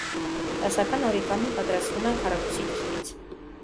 Դասական օրիգամին պատրաստվում է քառակուսի թղթից։